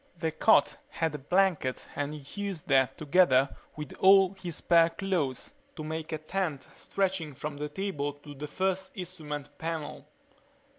The cot had a blanket and he used that together with all his spare clothes to make a tent stretching from the table to the first instrument panel.